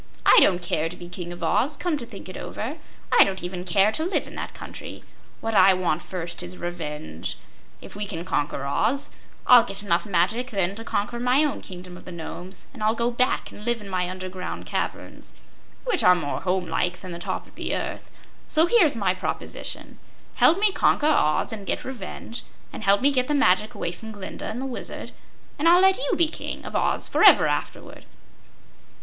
"I don't care to be King of Oz, come to think it over. I don't even care to live in that country. What I want first is revenge. If we can conquer Oz, I'll get enough magic then to conquer my own Kingdom of the Nomes, and I'll go back and live in my underground caverns, which are more home like than the top of the earth. So here's my proposition: Help me conquer Oz and get revenge, and help me get the magic away from Glinda and the Wizard, and I'll let you be King of Oz forever afterward."